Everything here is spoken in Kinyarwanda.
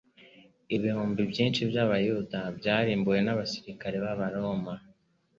ibihumbi byinshi by'Abayuda byarimbuwe n'abasirikari b'Abaroma.